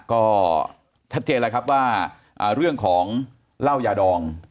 ก็ชัดเจนแล้วครับว่าเรื่องของเหล้ายาดอง